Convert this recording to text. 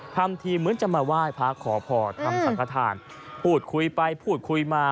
ทำทีเหมือนจะมาไหว้พระขอพรทำสังฆฐานพูดคุยไปพูดคุยมา